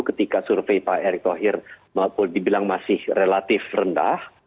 ketika survei pak erick thohir dibilang masih relatif rendah